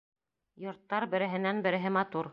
Йорттар береһенән-береһе матур.